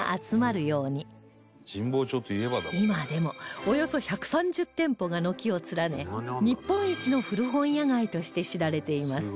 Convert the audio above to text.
今でもおよそ１３０店舗が軒を連ね日本一の古本屋街として知られています